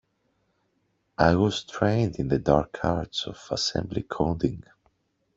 I was trained in the dark arts of assembly coding.